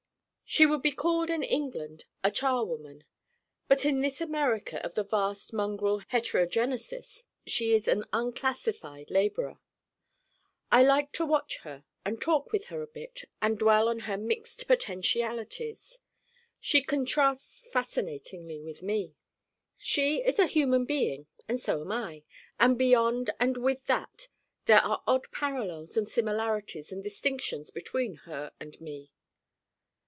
She would be called in England a charwoman, but in this America of the vast mongrel heterogenesis she is an unclassified laborer. I like to watch her and talk with her a bit and dwell on her mixed potentialities. She contrasts fascinatingly with me. She is a human being and so am I, and beyond and with that there are odd parallels and similarities and distinctions between her and me.